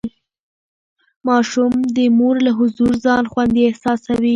ماشوم د مور له حضور ځان خوندي احساسوي.